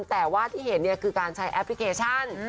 แต่ว่าที่เห็นเนี่ยคือการใช้แอปพลิเคชัน